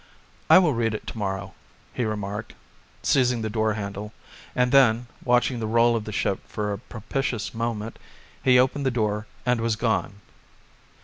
"I will read it tomorrow," he remarked, seizing the door handle, and then, watching the roll of the ship for a propitious moment, he opened the door and was gone.